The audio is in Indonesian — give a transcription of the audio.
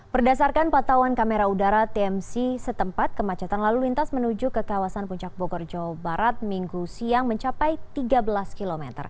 berdasarkan patauan kamera udara tmc setempat kemacetan lalu lintas menuju ke kawasan puncak bogor jawa barat minggu siang mencapai tiga belas km